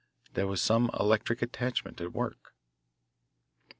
There was some electric attachment at work.